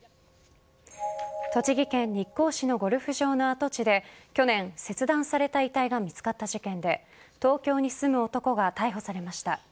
栃木県日光市のゴルフ場の跡地で去年、切断された遺体が見つかった事件で東京に住む男が逮捕されました。